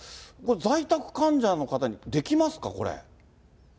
在宅患者の方にできますか、これ。